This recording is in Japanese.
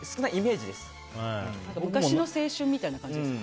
昔の青春みたいな感じですよね。